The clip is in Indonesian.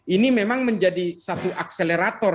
ini memang menjadi satu akselerator